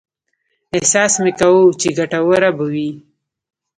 احساس مې کاوه چې ګټوره به وي.